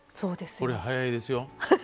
これ、早いですよ。